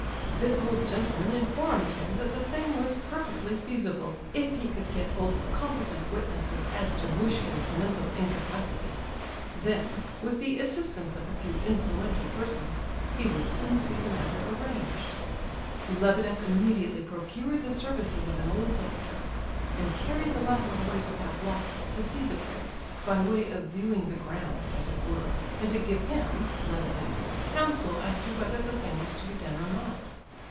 This old gentleman informed him that the thing was perfectly feasible if he could get hold of competent witnesses as to Muishkin's mental incapacity. Then, with the assistance of a few influential persons, he would soon see the matter arranged. Lebedeff immediately procured the services of an old doctor, and carried the latter away to Pavlofsk to see the prince, by way of viewing the ground, as it were, and to give him (Lebedeff) counsel as to whether the thing was to be done or not.